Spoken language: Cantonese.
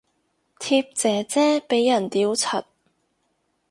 貼姐姐俾人屌柒